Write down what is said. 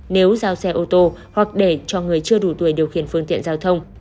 nếu giao xe ô tô hoặc để cho người chưa đủ tuổi điều khiển phương tiện giao thông